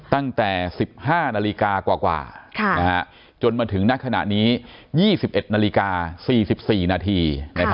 ตั้งแต่๑๕นาฬิกากว่าจนมาถึงณขณะนี้๒๑นาฬิกา๔๔นาที